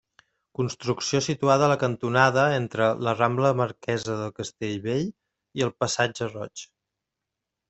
Construcció situada a la cantonada entre la Rambla Marquesa de Castellbell i el Passatge Roig.